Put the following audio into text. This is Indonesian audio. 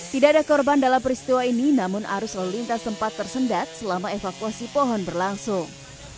tidak ada korban dalam peristiwa ini namun arus lalu lintas tempat tersendat selama evakuasi pohon berlangsung